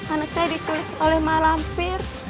anak saya ditulis oleh malampir